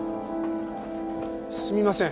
すみません。